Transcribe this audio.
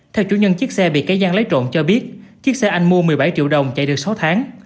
theo chủ nhân chiếc xe bị cây giang lấy trộm cho biết chiếc xe anh mua một mươi bảy triệu đồng chạy được sáu tháng